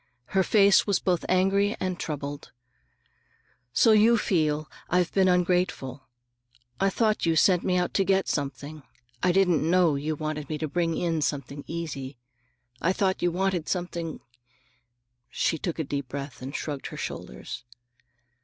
Her face was both angry and troubled. "So you really feel I've been ungrateful. I thought you sent me out to get something. I didn't know you wanted me to bring in something easy. I thought you wanted something—" She took a deep breath and shrugged her shoulders.